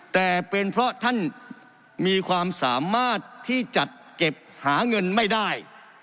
แต่เป็นเพราะท่านมีความสามารถที่จัดเก็บหาเงินไม่ได้